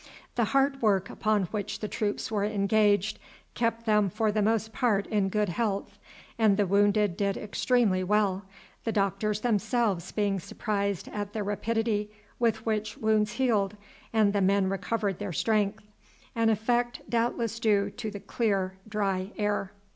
The hard work upon which the troops were engaged kept them for the most part in good health, and the wounded did extremely well, the doctors themselves being surprised at the rapidity with which wounds healed and the men recovered their strength, an effect doubtless due to the clear dry air.